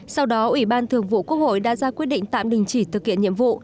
sau đó ủy ban thường vụ quốc hội đã ra quyết định tạm đình chỉ thực hiện nhiệm vụ